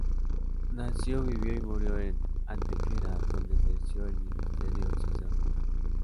Nació, vivió y murió en Antequera, donde ejerció el ministerio sacerdotal.